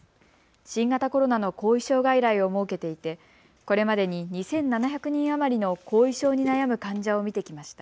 新型コロナの後遺症外来を設けていてこれまでに２７００人余りの後遺症に悩む患者を診てきました。